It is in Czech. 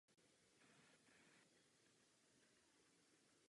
Ah co!